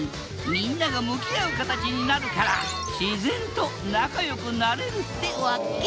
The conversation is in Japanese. みんなが向き合う形になるから自然と仲良くなれるってわけ。